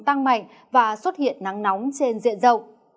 tăng mạnh và xuất hiện nắng nóng trên diện rộng